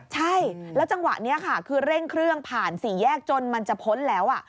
ใช่แล้วจังหวะนี้ค่ะคือเร่งเครื่องผ่านสี่แยกจนมันจะพ้นแล้ว